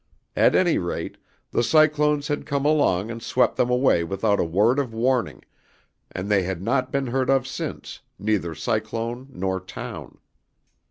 At any rate, the cyclones had come along and swept them away without a word of warning, and they had not been heard of since, neither cyclone nor town.